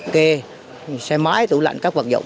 kê xe máy tủ lạnh các vật dụng